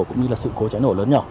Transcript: cũng như sự cố cháy nổ lớn nhỏ